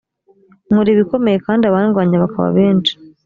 nkora ibikomeye kandi abandwanya bakaba benshi .